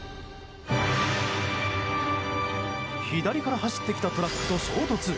左から走ってきたトラックと衝突。